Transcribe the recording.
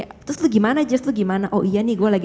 terus lo gimana jazz lu gimana oh iya nih gue lagi